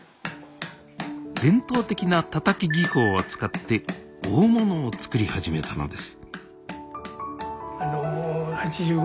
伝統的なたたき技法を使って大物を作り始めたのです